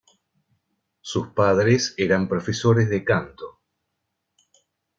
Sus padres eran profesores de canto.